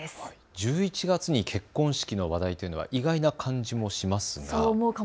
１１月に結婚式の話題というのは意外な感じもします。